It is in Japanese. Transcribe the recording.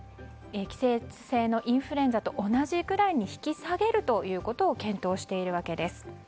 季節性インフルエンザと同じくらいに引き下げることを検討しているわけです。